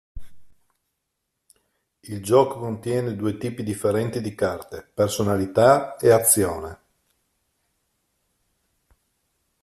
Il gioco contiene due tipi differenti di carte: "Personalità" e "Azione".